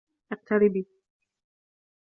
اقتربي.